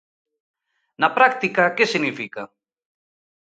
¿Na práctica que significa?